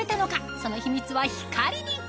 その秘密は光に！